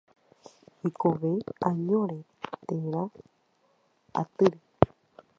Oikove añóre térã atýre.